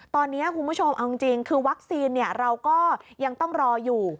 ตอนนี้คุณผู้ชมเอาจริงคือวัคซีนเราก็ยังต้องรออยู่